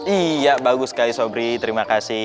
iya bagus sekali sobri terima kasih